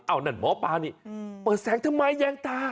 นั่นหมอปลานี่เปิดแสงทำไมแยงตา